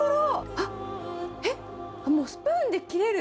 あっ、えっ？